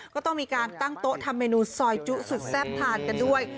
ก็ต้องมีการตั้งโต๊ะทำเมนูซอยจุสุดแซ่บทานกันด้วย